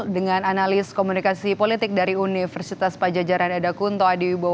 dengan analis komunikasi politik dari universitas pajajaran ada kunto adiwibowo